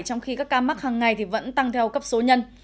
trong khi các ca mắc hằng ngày vẫn tăng theo cấp số nhân